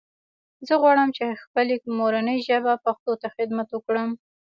زه غواړم چې خپلې مورنۍ ژبې پښتو ته خدمت وکړم